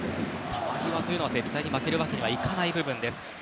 球際というのは絶対に負けるわけにはいかない部分です。